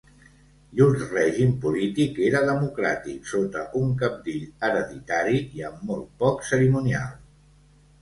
Llur règim polític era democràtic sota un cabdill hereditari, i amb molt poc cerimonial.